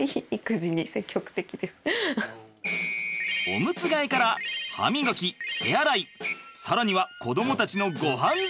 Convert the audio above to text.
おむつ替えから歯磨き手洗い更には子どもたちのごはん作りまで。